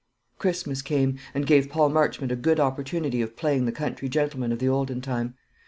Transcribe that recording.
Christmas came, and gave Paul Marchmont a good opportunity of playing the country gentleman of the olden time.